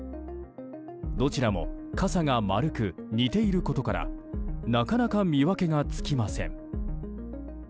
どちらも傘が丸く似ていることからなかなか見分けがつきません。